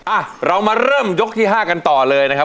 อ่ะเรามาเริ่มยกที่๕กันต่อเลยนะครับ